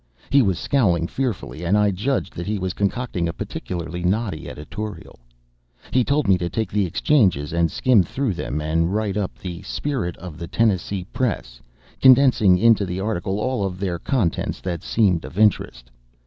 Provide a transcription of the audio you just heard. He was scowling fearfully, and I judged that he was concocting a particularly knotty editorial. He told me to take the exchanges and skim through them and write up the "Spirit of the Tennessee Press," condensing into the article all of their contents that seemed of interest.